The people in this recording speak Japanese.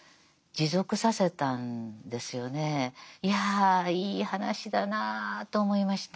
いやいい話だなぁと思いました。